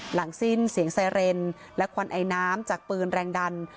หลังสิ้นเสียงไซเรนและควันไอน้ำจากปืนแรงดัน